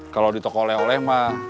kalau ditok oleh oleh mah